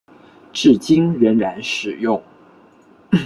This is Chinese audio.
至今仍然使用。